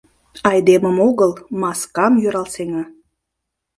Айдемым огыл, маскам йӧрал сеҥа.